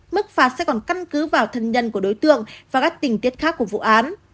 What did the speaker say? mức phạt sẽ còn căn cứ vào thân nhân của đối tượng và các tình tiết khác của vụ án